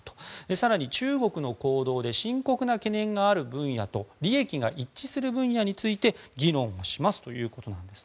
更に中国での行動で深刻な懸念がある分野と利益が一致する分野について議論しますということです。